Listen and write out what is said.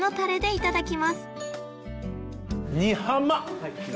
いただきます